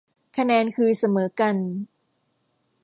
คะแนนคือเสมอกัน